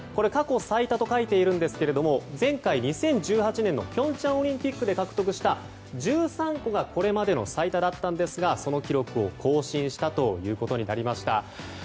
過去最多と書いているんですが前回２０１８年の平昌オリンピックで獲得した１３個がこれまでの最多だったんですがその記録を更新したことになりました。